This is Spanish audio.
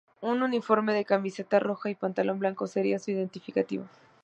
Un uniforme de camiseta roja y pantalón blanco sería su identificativo.